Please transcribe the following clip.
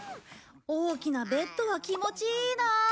大きなベッドは気持ちいいなあ！